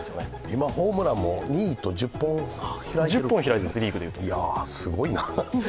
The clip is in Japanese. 今、ホームランも２位と１０本開いていやあ、すごいな。